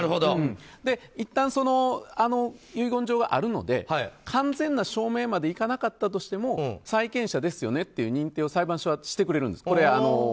いったん遺言状があるので完全な証明までいかなかったとしても債権者ですよねという認定を裁判所はしてくれるんです。